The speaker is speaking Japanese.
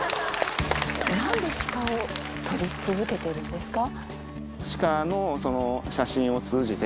何でシカを撮り続けてるんですか？